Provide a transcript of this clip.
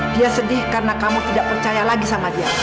dia sedih karena kamu tidak percaya lagi sama dia